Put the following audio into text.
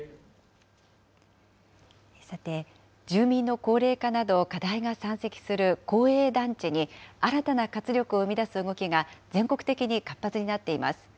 さて、住民の高齢化など、課題が山積する公営団地に、新たな活力を生み出す動きが、全国的に活発になっています。